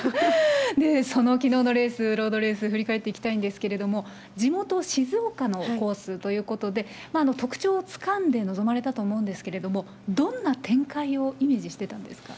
そのきのうのレース、ロードレース、振り返っていきたいんですけれども、地元、静岡のコースということで、特徴をつかんで臨まれたと思うんですけれども、どんな展開をイメージしてたんですか？